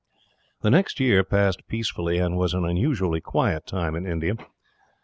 The next year passed peacefully, and was an unusually quiet time in India.